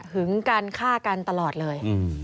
หึงกันฆ่ากันตลอดเลย